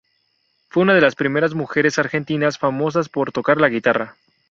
Fue una de las primeras mujeres argentinas famosas por tocar la guitarra.